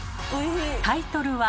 タイトルは。